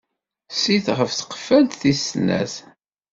Sit ɣef tqeffalt tis snat.